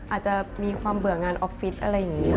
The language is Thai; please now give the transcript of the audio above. อาจจะมีความเบื่องานออฟฟิศอะไรอย่างนี้ค่ะ